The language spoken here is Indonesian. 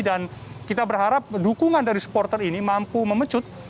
dan kita berharap dukungan dari supporter ini mampu memecut